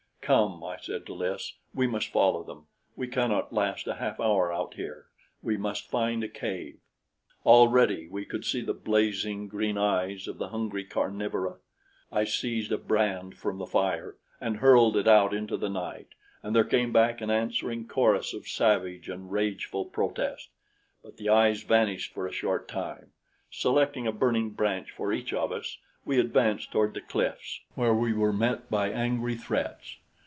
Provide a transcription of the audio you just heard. "Come," I said to Lys, "we must follow them. We cannot last a half hour out here. We must find a cave." Already we could see the blazing green eyes of the hungry carnivora. I seized a brand from the fire and hurled it out into the night, and there came back an answering chorus of savage and rageful protest; but the eyes vanished for a short time. Selecting a burning branch for each of us, we advanced toward the cliffs, where we were met by angry threats.